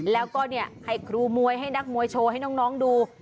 แล้วก็ให้ครูมวยให้นักมวยโชว์ให้น้องดู